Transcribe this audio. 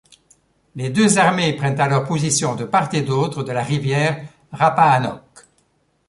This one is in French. Les deux armées prennent alors position de part et d'autre de la rivière Rappahannock.